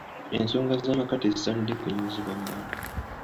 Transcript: Ensonga z'amaka tezisaanidde kunyumizibwa mu bantu.